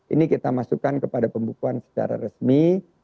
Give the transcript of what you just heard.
ini kita masukkan kepada pembukuan secara resmi